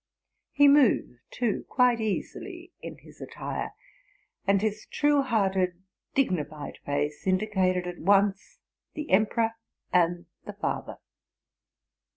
He moved, too, quite easily in his attire ; and his true hearted, dignified face, indicated at once the emperor and the father.